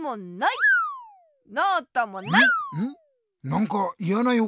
なんかいやなよ